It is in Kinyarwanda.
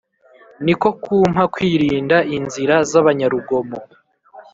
Ni ko kumpa kwirinda inzira z’abanyarugomo